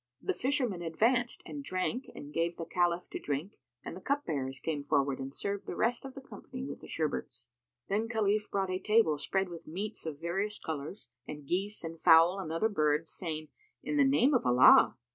The Fisherman advanced and drank and gave the Caliph to drink, and the cup bearers came forward and served the rest of the company with the sherbets. Then Khalif brought a table spread with meats of various colours and geese and fowls and other birds, saying, "In the name of Allah!"